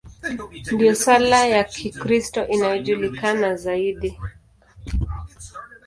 Ndiyo sala ya Kikristo inayojulikana zaidi.